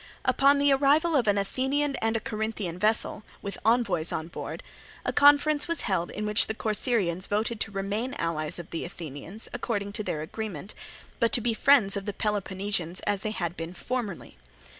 Upon the arrival of an Athenian and a Corinthian vessel, with envoys on board, a conference was held in which the Corcyraeans voted to remain allies of the Athenians according to their agreement, but to be friends of the Peloponnesians as they had been formerly.